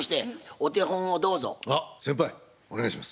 お願いします。